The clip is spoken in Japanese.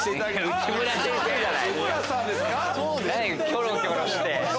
キョロキョロして。